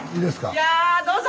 いやどうぞ！